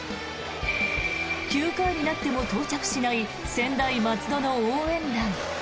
９回になっても到着しない専大松戸の応援団。